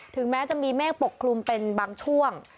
ถึงแม้จะมีแม่งปกครุมเป็นบางช่วง